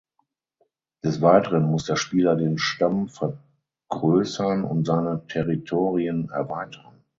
Des Weiteren muss der Spieler den Stamm vergrößern und seine Territorien erweitern.